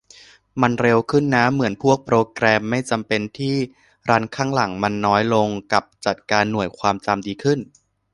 มันเร็วขึ้นนะ เหมือนพวกโปรแกรมไม่จำเป็นที่รันข้างหลังมันน้อยลง กับจัดการหน่วยความจำดีขึ้น